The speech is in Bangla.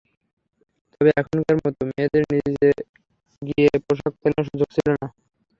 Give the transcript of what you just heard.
তবে এখনকার মতো মেয়েদের নিজে গিয়ে পোশাক কেনার সুযোগ ছিল না।